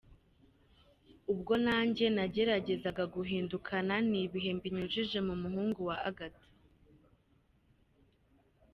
Ubwo nanjye nageragezaga guhindukana n’ibihe mbinyujije mu muhungu wa Agatha.